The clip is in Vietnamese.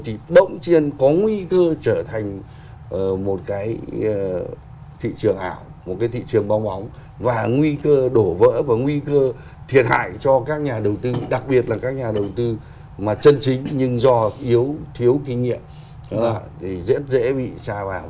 thì bỗng chiên có nguy cơ trở thành một cái thị trường ảo một cái thị trường bong bóng và nguy cơ đổ vỡ và nguy cơ thiệt hại cho các nhà đầu tư đặc biệt là các nhà đầu tư mà chân chính nhưng do yếu thiếu kinh nghiệm thì dễ bị xa vào